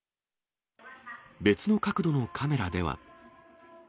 別の角度のカメラでは。